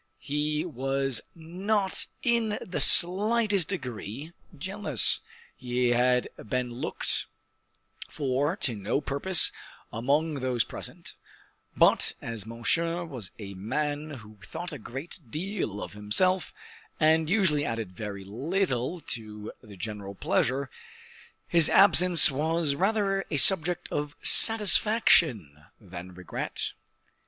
He was not in the slightest degree jealous. He had been looked for to no purpose among those present; but as Monsieur was a man who thought a great deal of himself, and usually added very little to the general pleasure, his absence was rather a subject of satisfaction than regret.